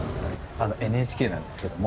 あのＮＨＫなんですけども。